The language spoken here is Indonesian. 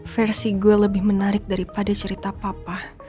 versi gue lebih menarik daripada cerita papa